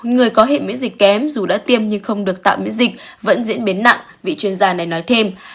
người có hệ miễn dịch kém dù đã tiêm nhưng không được tạm miễn dịch vẫn diễn biến nặng vị chuyên gia này nói thêm